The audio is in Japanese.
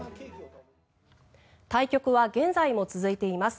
対局は現在も続いています。